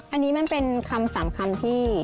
อันนี้มันเป็นคำ๓คำที่